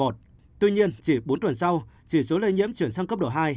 tuy nhiên chỉ bốn tuần sau chỉ số lây nhiễm chuyển sang cấp độ hai